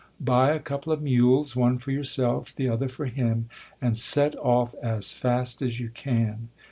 Buy a couple of mules ; one for your self, the other for him : and set off as fast as you can.